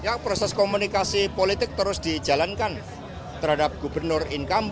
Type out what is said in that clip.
ya proses komunikasi politik terus dijalankan terhadap gubernur indra shalwa dan shalwa dan anies